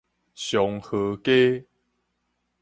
松河街